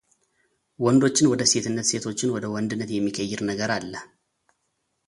ወንዶችን ወደ ሴትነት ሴቶችን ወደ ወንድነት የሚቀይር ነገር አለ፡፡